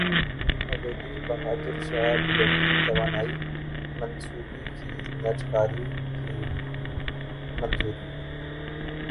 حویلی بہادر شاہ بلوکی توانائی منصوبوں کی نجکاری کی منظوری